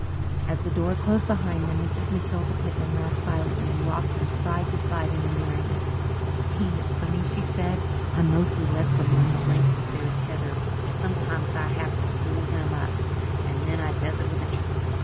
As the door closed behind them, Mrs. Matilda Pitman laughed silently, and rocked from side to side in her merriment. "Ain't it funny?" she said. "I mostly lets them run the length of their tether but sometimes I has to pull them up, and then I does it with a jerk.